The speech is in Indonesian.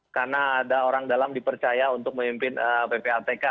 karena ada orang dalam dipercaya untuk memimpin ppatk